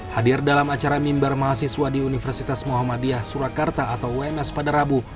hadir dalam acara mimbar mahasiswa di universitas muhammadiyah surakarta atau ums pada rabu